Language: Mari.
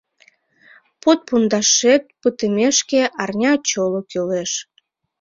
Под пундашет пытымешке, арня чоло кӱлеш.